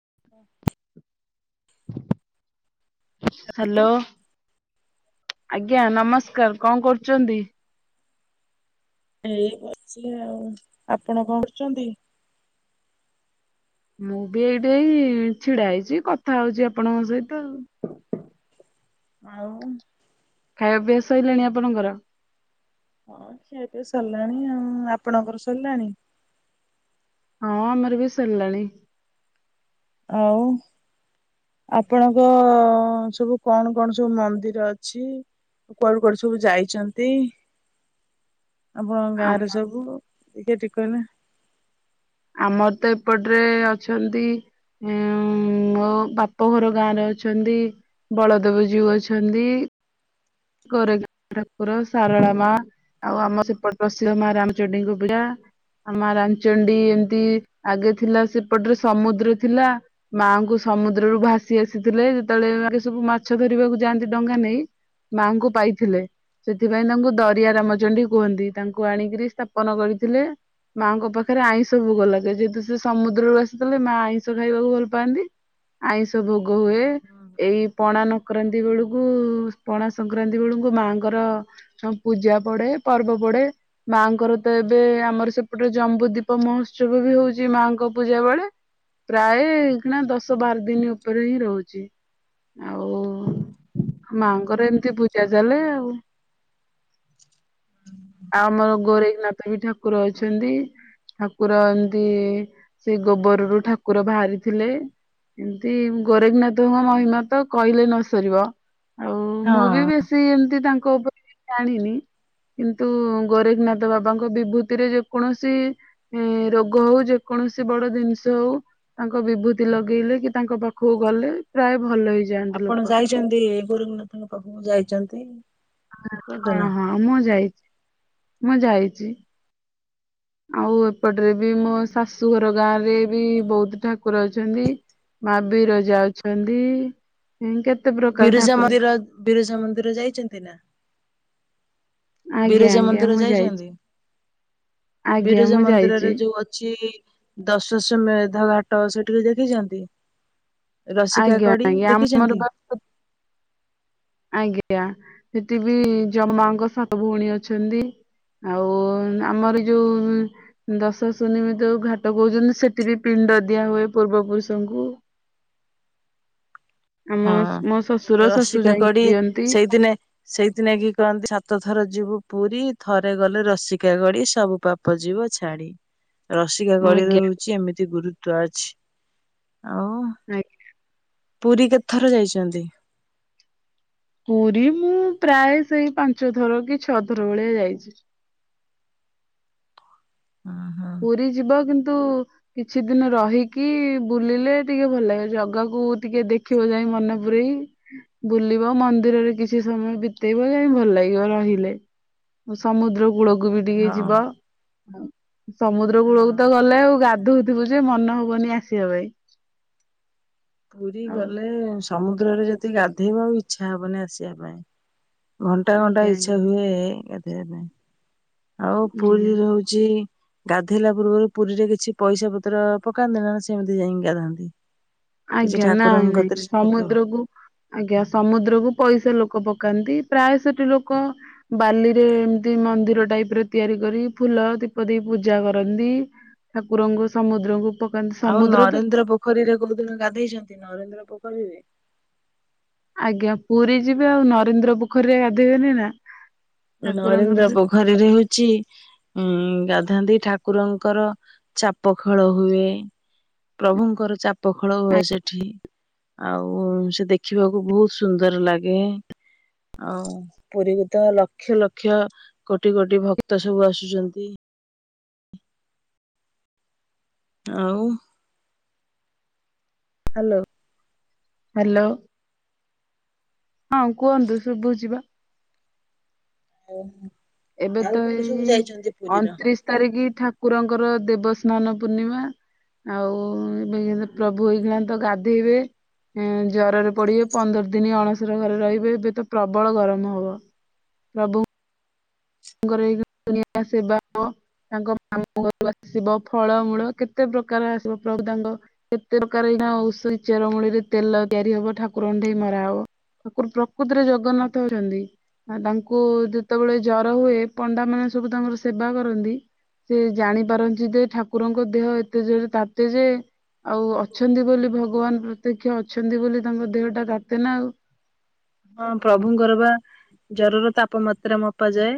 [inaudible] [inaudible] Hello ଆଜ୍ଞା ନମସ୍କାର କଣ କରୁଛନ୍ତି। ଏଇ ଅଛି ଆଉ ଆପଣ କଣ କରୁଛନ୍ତି ମୁଁ ବି ଏଇଟା ହିଁ ଛିଡା ହେଇଛି କଥା ହଉଛି ଆପଣଙ୍କ ସହିତ ଆଉ ଆଉ ଖାଇବା ପିଇବା ସରିଲାଣି ଆପଣଙ୍କର। ଖିଆ ପିଆ ସରିଲାଣି ଆଉ ଆପଣଙ୍କର ସରିଲାଣି ହଁ ଆମର ବି ସରିଲାଣି। ଆଉ ଆପଣଙ୍କ ସବୁ କଣ କଣ ସବୁ ମନ୍ଦିର ଅଛି। କୁଆଡୁ କୁଆଡୁ ସବୁ ଯାଇଛନ୍ତି। ଆପଣ ଆମ ଗାଁରେ ସବୁ ଟିକେ ଠିକ କହିବେ। ଆମର ତ ଏପଟରେ ଅଛନ୍ତି ଉଁ ମୋ ବାପ ଘର ଗାଁରେ ଅଛନ୍ତି। ବଳଦେବ ଯଉ ଅଛନ୍ତି। ଗୋରେ ଠାକୁର ସାରଳା ମା ଆଉ ଆମ ସେପଟ ସିହ ମା ରାମଚଣ୍ଡୀଙ୍କ ପୂଜା [unintelligible] ଆମ ରାମ୍ଚଣ୍ଡି ଏମିତି ଆଗେ ଥିଲା ସେପଟରେ ସମୁଦ୍ର ଥିଲା ମାଙ୍କୁ ସମୁଦ୍ରରୁୁ ଭାସି ଆସିଥିଲେ, ଯେତେବେଳେ ଆଗେ ୟକେ ସବୁ ମାଛ ଧରିବାକୁ ଯାଆନ୍ତି ଡଙ୍ଗା ନେଇ ମାଆଙ୍କୁ ପାଇଥିଲେ। ସେଥିପାଇଁ ତାଙ୍କୁ ଦରିଆ ରାମଚଣ୍ଡୀ କୁହନ୍ତି, ତାଙ୍କୁ ଆଣିକିରି ସ୍ଥାପନ କରିଥିଲେ। ମାଙ୍କ ପାଖରେ ଆଇଁଷ ଭୋଗ ଲାଗେ, ଯେହତୁ ସେ ସମୁଦ୍ରରୁ ଆସିଥିଲେ, ମା ଆଇଁଷ ଖାଇବାକୁ ଭଲ ପାଆନ୍ତି। ଆଇଁଷ ଭୋଗ ହୁଏ, ଏଇ ପଣା ନକ୍ରାନ୍ତି ବେଳକୁ ପଣା ସଂକ୍ରାନ୍ତି ବେଳକୁ, ମାଆଙ୍କର ପୂଜା ପଡେ ପର୍ବ ପଡେ ମାଆଙ୍କର ତ ଏ ଏବେ ଆମର ସେପଟେ ଜମ୍ବୁ ଦୀପ ମହୋତ୍ସବ ବି ହଉଛି ମାଙ୍କ ପୂଜା ବେଳେ ପ୍ରାୟଣା ଦଶ ବାର ଦିନ ଉପରେ ହିଁ ରହୁଛି ଆଉ ମାଆଙ୍କର ଏମିତି ପୂଜା ଚାଲେ ଆଉ। ଆଉ ଆମର ଗୋରନାଥ ବି ଠାକୁର ଅଛନ୍ତି। ଠାକୁର ଏମତି ସେ ଗୋବରରୁ ଠାକୁର ବାହାରିଥିଲେ। ଏମତି ଗୋରେଖନାଥଙ୍କ ମହିମା ତ କହିଲେ ନ ସରିବ ଆଉ ମୁଁ ବି ହଁ ବେଶୀ ଏମତି ତାଙ୍କ ଉପରେ ଜାଣିନି କିନ୍ତ୍ ତୁ ଗୋରେଖନାଥ ବାବାଙ୍କ ବିଭୂତିରେ ଯେକୌଣସି ରୋଗ ହଉ ଯେକୌଣସି ବ ବଡ ଜିନିଷ ହଉ ତାଙ୍କ ବିଭୂତି ଲଗେଇଲେ କି ତାଙ୍କ ପାଖକୁ ଗଲେ ପ୍ରାୟ ଭଲ ହେଇଯାଆନ୍ତି ଆପଣ ଲୋକ। ଯାଇଛନ୍ତି ଗୁରୁନାଥଙ୍କ ପାଖକୁ ଯାଇଛନ୍ତି। ହଁ କୋଉଦିନ ହଁ ମୁଁ ଯାଇଛି। ଆଉ ଏପଟରେ ବି ମୋ ଶାଶୁଘର ଗାଁ ରେ ବି ବହୁତ ଠାକୁର ଅଛନ୍ତି। ମା ବିରଜା ଅଛନ୍ତି। କେତେ ପ୍ରକାର ବିରଜା ଠାକୁର ମରିର ବିରଜା ମନ୍ଦିର ଯାଇଛନ୍ତି ନା ଆଜ୍ଞା ବିରଜା ଆଜ୍ଞା ମନ୍ଦିର ମୁଁ ଯାଇଛି ଯାଇଛନ୍ତି ଆଜ୍ଞା ବିରଜା ମୁଁ ଯାଇଛି। ମନ୍ଦିରରେ ଯୋଉ ଅଛି। ଦସ୍ୱାସମେଧ ଘାଟ ସେଠିକି ଦେଖିଛନ୍ତି। ଆଜ୍ଞା ରସିକାକଡ଼ି ଆଜ୍ଞା ଆମର ଦେଖିଛନ୍ତି। ବା ଆଜ୍ଞା ସେଠିବିି ଜମାଙ୍କ ସାାତ ଭଉଣୀ ଅଛନ୍ତି। ଆଉ ଆମର ଯୋଉ ଦସ୍ୱାସନିମେଧ ଘାଟ କହୁଛନ୍ତି ସେଠି ବି ପିନ୍ ପିଣ୍ଡ ଦିଆ ହୁଏ ପୂର୍ବ ପୁରୁଷଙ୍କୁ। ଆମ ହଁ ମୋ ଶ୍ୱଶୁର ଶାଶୁ ଯାଇକି ରସିକାକଡି ଦିଅନ୍ତି ସେଇଦିନେ ସେଇତିନାକି କହନ୍ତି ସାତ ଥର ଯିବୁ ପୁରୀ ଥରେ ଗଲେ ରସିକା ଗଡି ସବୁ ପାପ ଯିବ ଛାଡ଼ି। ଆଜ୍ଞା ରସିକାକଢ଼ିରେ ଆଜ୍ଞା। ହଉଛି ଏମିତି ଗୁରୁତ୍ବ ଅଛି। ଆଉ ଆ [unintelligible] ପୁରୀ କେତେଥର ଯାଇଛନ୍ତି? ପୁରୀ ମୁଁ ପ୍ରାୟ ସେଇ ପାଞ୍ଚଥର କି ଛଅଥର ଭଳିଆ ଯାଇଛି। ହଁ [inaudible] ପୁରୀ ଯିବ କିନ୍ତୁ କିଛି ଦିନ ରହିକି ବୁଲିଲେ ଟିକେ ଭଲ ଲାଗେ ଜଗାକୁ ଟିକେ ଦେଖିବ ଯାଇ ମନେ ପୁରଇ ବୁଲିବ ମନ୍ଦିରରେ କିଛି ସମୟ ବିତେଇବ ଯାଇ ଭଲ ଲାଗିବ ରହିଲେ ସମୁଦ୍ରକୁ କୂଳକୁ ବି ଟିକେ ହଁ ଯିବ ସମୁଦ୍ର କୂଳକୁ ହଁ ତ ଗଲେ ଆଉ ଗାଧଉ ଥିବୁ ଯେ ମନ ହବନି ଆସିବା ପାଇଁ ପୁରୀ ଆଉ ଗଲେ ସମୁଦ୍ରରେ ଯଦି ଗାଧେଇବ ଆଉ ଇଛା ହବନି ଆସିବା ପାଇଁ। ଘଣ୍ଟା ଘଣ୍ଟା ଆଜ୍ଞା ଆଜ୍ଞା ଇଚ୍ଛା ହୁଏ ଗାଧେଇବା ପାଇଁ। ଆଉ ଆଜ୍ଞା। ପୁରୀ ରହୁଛି ଗାଧୋଇଲା ପୂର୍ବରୁ ପୁରୀରେ କିଛି ପଇସା ପତ୍ର ପକାନ୍ତି ନା ସେମିତି ଯାଇକି ଗାଧାନ୍ତି। କିଛି ଆଜ୍ଞା ନାଇଁ ଠାକୁରଙ୍କ କତିରେ ନାଇଁ ସେ ପକେଇବ ସମୁଦ୍ରକୁ ଆଜ୍ଞା ସମୁଦ୍ର କୁ ପଇସା ଲୋକ ଲୋକ ପକାନ୍ତି ପ୍ରାୟ ସେଠି ଲୋକ ବାଲିରେ ଏମିତି ମନ୍ଦିର ଟାଇପ ରେ ତିଆରି କରି ଫୁଲ ଫୁଲ ଦୀପ ଦେଇ ପୂଜା କରନ୍ତି ଠାକୁରଙ୍କୁ ସମୁଦ୍ରଙ୍କ ଆଉ ନରେନ୍ଦ୍ର ପୋଖରୀରେ କୋଉ ଦିନ ଗାଧେଇଛନ୍ତି ନରେନ୍ଦ୍ର ପୋଖରୀରେ ଆଜ୍ଞା ପୁରୀ ଯିବେ ଆଉ ନରେନ୍ଦ୍ର ପୋଖରୀରେ ଗାଧୋଇବେନି ନା ଠାକୁରଙ୍କର ନରେନ୍ଦ୍ର ସେ ପୋଖରୀରେ ହଉଛି ଗାଧାନ୍ତି ଠା ଠାକୁରଙ୍କର ଚାପ ଖେଳ ହୁଏ ପ୍ରଭୁଙ୍କର ଚାପ ପଖଳ ହୁଏ ସେଠି ଆଉ ସେ ଦେଖିବାକୁ ବହୁତ ସୁନ୍ଦର ଲାଗେ ଆଉ ପୁରୀକୁ ତ ଲକ ଲକ୍ଷ ଲକ୍ଷ କୋଟି କୋଟି ଭକ୍ତ ସବୁ ଆସୁଛନ୍ତି। ଆଉ, ହ୍ୟାଲୋ, ହ୍ୟାଲୋ ହଁ କୁହନ୍ତୁ ଶୁଭୁଚିବା, ଓ [inaudible] ଏବେ ତ ଏଇ ଅଣତିରିଶ ତାରିଖ ଠା ଠାକୁରଙ୍କର ଦେବସ୍ନାନ ପୂର୍ଣ୍ଣିମା ଆଉ ଏବେ ପ୍ରଭୁ ହେଇଗଲା ତ ଗାଧେଇବେ, । ଜରରେ ପଡିବେ ପନ୍ଦର ଦିନ ଅଣସର ଘରେ ରହିବେ ଏବେ ତ ପ୍ରବଳ ଗରମ ହବ। ପ୍ରଭୁ, ତାଙ୍କରଇନଆ ସେବା ହବ ତାଙ୍କ ମାମୁ ଘର ଆସିବ ଫଳମୂଳ କେତେ ପ୍ରକାର ଆସିବ ପ୍ରଭୁ ତାଙ୍କ କେତେ ପ୍ରକାର ଏଇନା ଔଷ ଚେରମୂଳିରେ ତେଲ ତିଆରି ହବ ଠାକୁରଙ୍କଠେଇ ମରା ହବ ଠାକୁର ପ୍ରକୃତରେ ଜଗନ୍ନାଥ ହଉଛନ୍ତି ତାଙ୍କୁ ଯେତେବେଳେ ଜ ର ହୁଏ ପଣ୍ଡା ମାନେ ସବୁ ତାଙ୍କର ସେବା କରନ୍ତି ସେ ଜାଣି ପାରନ୍ତି ଯେ ଠାକୁରଙ୍କ ଦେହ ଏତେ ଜୋର ତାତେ ଯେ ଆଉ ଅଛନ୍ତି ବୋଲି ଭଗବାନ ପ୍ରତ୍ୟକ୍ଷ ଅଛନ୍ତି ବୋଲି ତାଙ୍କ ଦେହଟା ତାତେ ନାଉ। [inaudible] ହଁ ପ୍ରଭୁଙ୍କର ବା ଜରର ତାପମାତ୍ରା ମପା ଯାଏ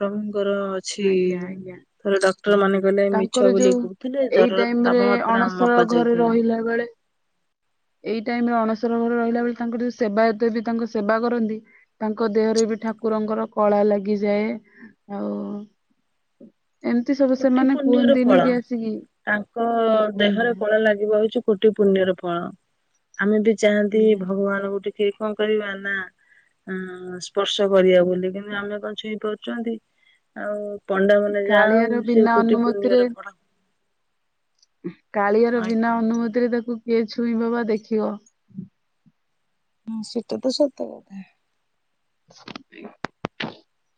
ପ୍ରଭୁ ଙ୍କର ଅଛି ଆଜ୍ଞା ଆଜ୍ଞା ଥରେ ଡକ୍ଟର ମାନେ କହଲେ ତାଙ୍କର ମିଛ ବୋଲି ଯୋଉ କହୁଥିଲେ ଏଇ ଜରର ଟାଇମ ରେ ତାପମାତ୍ରା ଅଣସର ମପା ଘରେ ଯାଉଥିଲା। ରହିଲା ବେଳେ ଏଇ ଟାଇମରେ ଅଣସ ର ରହିଲା ବେଳେ ତାଙ୍କର ସେବାୟତ ଯେ ତାଙ୍କ ସେବା କରନ୍ତି ତାଙ୍କ ଦେହରେ ବି ଠାକୁରଙ୍କର କଳା ଲାଗିଯାଏ ଆଉ ଏମିତି ସେ ସବୁ କୋଟି ସେମାନେ ପୁଣ୍ୟର କୁହନ୍ତିନି ଫଳ କି ଆସିକି ତାଙ୍କ ଦେହରେ ଆଜ୍ଞା କଳା ଲାଗିବ ହଉଛି କୋଟି ପୁଣ୍ୟର ଫଳ ଆମେ ବି ଚାହାନ୍ତି ଆଜ୍ଞା ଭଗବାନଙ୍କୁ ଟିକେ କଣ କରିବା ନା ଅ ସ୍ପର୍ଶ କରିବା ବୋଲି କିନ୍ତୁ ଆମେ କଣ ଛୁଇଁ ପାରୁଛନ୍ତି ଆଉ ପଣ୍ଡା ମାନେ ଯାହା ହଉ କାଳିଆର ସେ ବିନା କୋଟି ଅନୁମତିରେ ପୁଣ୍ୟର ଫଳ। କାଳିଆର ବିନା ଆଜ୍ଞା। ଅନୁମତିରେ ତାକୁ କିଏ ଛୁଇଁବ ବା ଦେଖିବ। ହୁଁ ସେଟା ତ ସତ କଥା। [inaudible]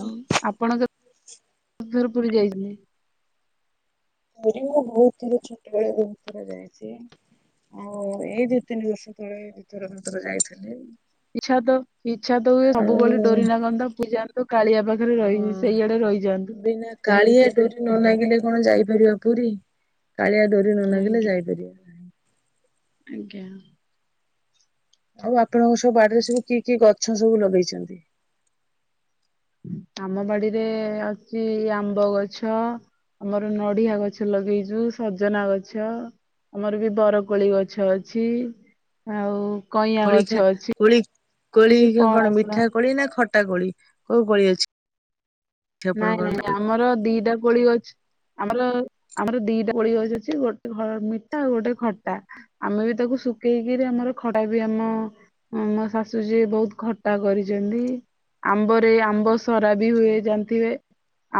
ଆଉ ଆପଣ କେତେ ଥର ପୁରୀ ଯାଇଛନ୍ତି? ପୁରୀ ମୁଁ ବହୁତ ଥର ଛୋଟବେେଳେ ବହୁତ ଥର ଯାଇଛି। ଆଉ ଏଇ ଦି ତିନି ବର୍ଷ ତଳେ ଦି ଥର ତିନ ଥର ଯାଇଥିଲି। ଇଛା [unintelligible] ଇଚ୍ଛା ତ ହୁଏ ସବୁବେଳେ ଆଉ ଡୋରି ନାଗନ୍ତା ପୁରୀ ଯାଆନ୍ତି। କାଳିଆ ପାଖରେ ହଁ ରହି ସେଇଆଡେ ରହିଯାଆନ୍ତୁ। ବିନା କାଳିଆ ଡୋରି ନ ଲାଗିଲେ କଣ ଯାଇପାରିବ ପୁରୀ। କାଳିଆ ଡୋରି ନ ନାଗିଲେ ଆଜ୍ଞା ଯାଇପାରିବ ଆଜ୍ଞା ଆଉ ଆପଣଙ୍କ ସବୁ ବାଡିରେ ସବୁ କି କି ଗଛ ସବୁ ଲଗେଇଛନ୍ତି? ଆମ ବାଡିରେ ଅଛି ଆମ୍ବ ଗଛ ଆମର ନଡିଆ ଗଛ ଲଗେଇଛୁ ସଜନା ଗଛ ଆମର ବି ବରକୋଳି ଗଛ ଅଛି ଆଉ କଇଁଆ କୋଳି ଗଛ ଖା ଅଛି କୋଳି କୋଳି କଣ ପଣସ ମିଠା କୋଳି ନା ଖଟ ଟା କୋଳି କୋଉ କୋଳି ଅଛି? ନାଇଁ ନାଇଁ ଆପଣଙ୍କର? ଆମର ଦିଟା କୋଳି ଅଛି ଆମର ଆମର ଦିଟା କୋଳି ଅଛି ଅଛି ଗୋଟେ ମିଠା ଆଉ ଗୋଟେ ଖଟା ଆମେ ବି ତାକୁ ଶୁଖେଇକିରି ଆମର ଖଟା ବି ଆମ ଆମ ଶାଶୁ ଯିଏ ବହୁତ ଖଟା କରିଛନ୍ତି। ଆମ୍ବରେ ଆମ୍ବ ସରା ବି ହୁଏ ଜା ଥିବେ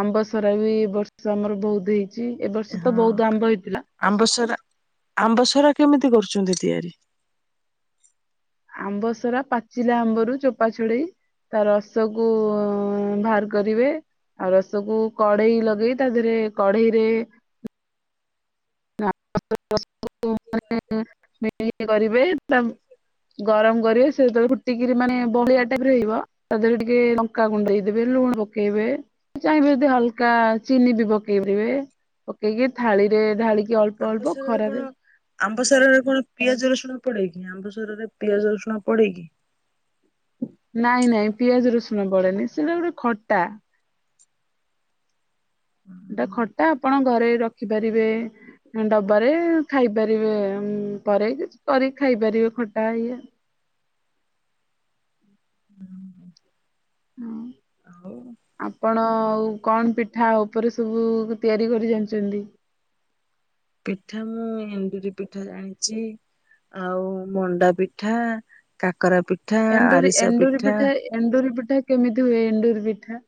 ଆମ୍ବ ସରା ବି ଏ ବର୍ଷ ଆମର ବହୁତ ହେଇ ଛି ଏବର୍ଷ ତ ହଁ ବହୁତ ଆମ୍ବ ହେଇଥିଲା। ଆମ୍ବସରା ଆମ୍ବସରା କେମିତି କରୁଛନ୍ତି ତିଆରି? ଆମ୍ବ ସରା ପାଚିଲା ଆମ୍ବରୁ ଚୋପା ଛଡେଇ ତା ରସ କୁ ବାହାର କରିବେ ଆଉ ରସକୁ କଢେଇ ଲଗେଇ ତା ଦେହରେ କଢେଇରେ [unintelligible] କରିବେ ତା ଗରମ କରିବେ ସେ ଯେତେବେଳେ ଫୁଟିକିରି ମାନେ ବହଳିଆ ଟାଇପରେ ହେଇବ ତା ଦେହରେ ଟିକେ ଲଙ୍କା ଗୁଣ୍ଡ ଦେଇଦେବେ। ଲୁଣ ପକେଇବେ ଚାହିଁବେ ଯଦି ହାଲକା ଚିନି ବି ପକେଇ ପାରିବେ। ପକେଇକି ଥାଳିରେ ଢାଳିକି ଅଳ୍ପ ଆମ୍ବ ଅଳ୍ପ ସରାରେ ଖରାରେ କଣ ଆମ୍ବ ସରାରେ କଣ ପିଆଜ ରସୁଣ ପଡେ କିି ଆମ୍ବ ସରାରେ ପିଆଜ ରସୁଣ ପଡ଼େକି? ନାଇଁ ନାଇଁ ପିଆଜ ରସୁଣ ପଡେନି ସେଟା ଗୋଟେ ଖଟା ଏଟା ଖଟା ଆପଣ ଘରେ ରଖିପାରିବେ। ଡବାରେ ଖାଇପାରିବେ ପରେ କିଛି କରିିକି ଖାଇପାରିବେ ଖଟା ଇଏ। [inaudible] ନାଇଁ। ଆଉ ଆପଣ ଆଉ କଣ ପିଠା ଉପରେ ସବୁ ତିଆରି କରି ଜାଣିଛନ୍ତି। [inaudible] ପିଠା ମୁଁ ଏଣ୍ଡୁରି ପିଠା ଜାଣିଛି। ଆଉ ମଣ୍ଡା ପିଠା, କାକରା ପିଠା, ଏଣ୍ଡୁରି ଆରିସା ଏଣ୍ଡୁରି ପିଠା। ଏଣ୍ଡୁରି ପିଠା କେମିତି ହୁଏ? ଏଣ୍ଡୁୁରି ପିଠା।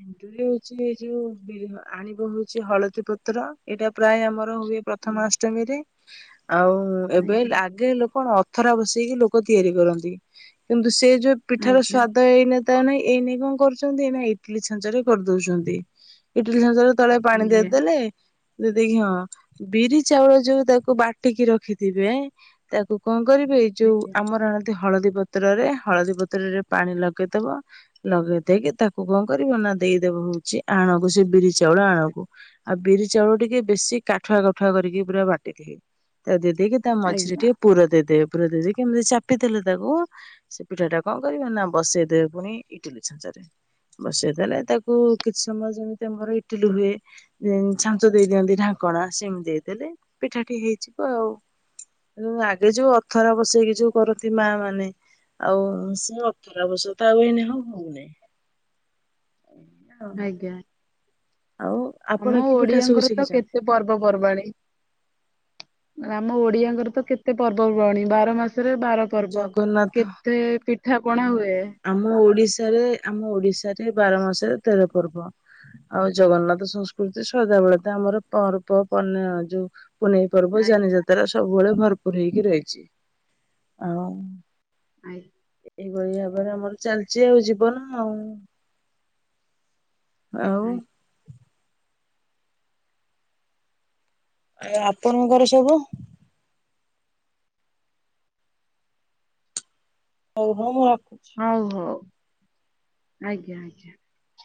ଏଣ୍ଡୁରି ହଉଛି ଏ ଯୋଉ ବି ଆଣିବ ହଉଛି ହଳଦୀ ପତ୍ର ଏଇଟା ପ୍ରାୟ ଆମର ର ହୁଏ ପ୍ରଥମା ଅଷ୍ଟମୀରେ। ଆଉ ଏବେ ଆଜ୍ଞା ଆଗେ ଲୋକଣ ଅଥରା ବସେଇକି ଲୋକ ତିଆରି କରନ୍ତି କିନ୍ତୁ ସେ ଯୋଉ ପିଠାର ଆଜ୍ଞା ସ୍ଵାଦ ଏଇନେ ତ ଆଉ ନାହିଁ ଏଇନେ କଣ କରୁଛନ୍ତି ନାଇ ଇଟିଲୀ ଛାଞ୍ଚ ରେ କରିଦଉଛନ୍ତି ଇଟିଲୀ ଛାଞ୍ଚ ରେ ତଳେ ପାଣି ଆଜ୍ଞା ଦେଇଦେଲେ ଦେଇଦେଇକିି ହଁ ବିରି ଚାଉଳ ଯୋଉ ତାକୁ ବାଟିକି ରଖିଥିବେ ତାକୁ କଣ କରିବେଇ ଯୋଉ ଆଜ୍ଞା ଆମର ଦେହ-। ହଳଦୀ ପତ୍ରରେ ହଳଦୀ ପତ୍ରରେ ପାଣି ଲଗେଇଦବ ଲଗେଇ ଦେଇେଇକି ତାକୁ-। କଣ କରିବ ନା ଦେଇଦବ ହଉଛି ଆଣକୁ ସେ ବିରି ଚାଉଳ ଆଣକୁ ଆଉ ବିରି ଚାଉଳ ଟିକେ ବେଶୀ-। ଟ କାଠୁଆ କାଠୁଆ କରିକି ପୁରା ବାଟିଦେ ତାକୁ ଦେଇଦେଇକି ତା ମଝିରେ ଆଜ୍ଞା ଟିକେ ପୁର ଦେଇଦେବେ। ପୂର ଦେଇ କେମିତି ଚାପି ଦେଥିଲେ ତାକୁ ସେ ପିଠା ଟା କଣ କରିବ ନା ବସେଇଦବେ ପୁଣି ଇଟିଲି ଛାଞ୍ଚରେ। [unintelligible] ବସେଇଦଲେ ତାକୁ କିଛି ସମୟ ଯେମିତି ଆମର ଇଟିଲି ହୁଏ ଛାଞ୍ଚ ଦେଇଦିଅନ୍ତି ଢାଙ୍କ। ଣା ସେମିତି ଦେଇଦେଲେ ପିଠାଟି ହେଇଯିବ ଆଉ। ଆଗେ ଯୋଉ ଅଥରା ବସେଇକି ଯୋଉ କରନ୍ତି ମା ମାନେ। ଆଉ ସେ ଅଥରାବଶ ତା ଆଉନ ହଉ ହଉନି। ଆଜ୍ଞା। ଆଉ ଆପଣ ଆମ କି ପିଠା ସବୁ ଓଡିଆଙ୍କର ତ ଶିଖିଛନ୍ତି? କେତେ ପର୍ବପର୍ବାଣୀ। ଆମ ଓଡିଆଙ୍କର ତ କେତେ ପର୍ବପର୍ବାଣିୀ ବାର ମାସ। ବାର ପର୍ବ ଜଗନ୍ନାଥ କେତେ ପିଠା ପଣା ହୁଏ। ଏଠାରେ ଆମ ଓଡିଶାରେ ବାର ମାସରେ ତେର ପର୍ବ। ଆଉ ଜଗନ୍ନାଥ ସଂସ୍କୃତି ସଦାବେେଳେତା ଆମର ପର୍ବ ପନିଅ ଯୋଉ। ପୁନେଇ ପର୍ବ ଆଜ୍ଞା ଯାନିଯାତ୍ରା ସବୁବେଳେ ଭରପୁର ହେଇକି ରହିଛି। ଆଉ। ଆଇ। ଏଇଭଳିଆ ଭାବରେ ଆମର ଚାଲିଛି ଆଉ । ଜୀବନ ଆଉ । ଆଉ ଆଜ୍ଞା ଆ! ଆପଣଙ୍କର ସବୁ । ହଉ ହଉ ମୁଁ ହଉ ହଉ ଆଜ୍ଞା ଆଜ୍ଞା ।